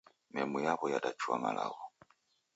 Memu yaw'o yadachua malagho.